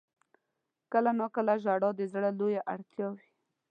• کله ناکله ژړا د زړه لویه اړتیا وي.